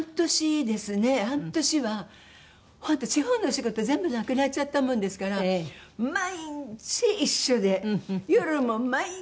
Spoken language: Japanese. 半年は本当地方のお仕事全部なくなっちゃったものですから毎日一緒で夜も毎日